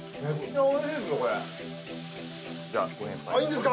いいんですか？